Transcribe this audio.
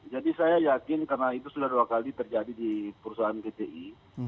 jadi saya yakin karena itu sudah dua kali terjadi di perusahaan pt i